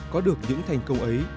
có được những thành công ấy